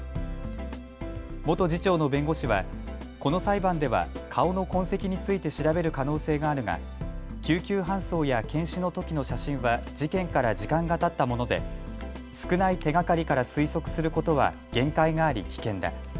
元次長の弁護士はこの裁判では顔の痕跡について調べる可能性があるが救急搬送や検視のときの写真は事件から時間がたったもので少ない手がかりから推測することは限界があり危険だ。